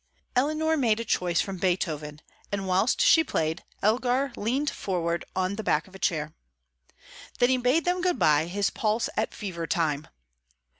Eleanor made a choice from Beethoven, and, whilst she played, Elgar leant forward on the back of a chair. Then he bade them good bye, his pulse at fever time.